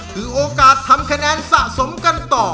คือโอกาสทำคะแนนสะสมกันต่อ